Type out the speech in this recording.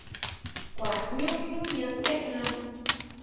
Kuaʼñu xú jña kuejna.